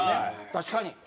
確かに。